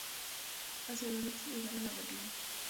Hacia la noche llegaron a Berlín.